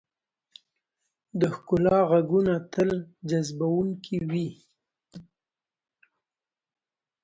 د ښکلا ږغونه تل جذبونکي وي.